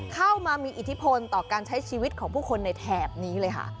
เข้ามามีอิทธิพลต่อการใช้ชีวิตของผู้คนในแถบนี้เลยค่ะ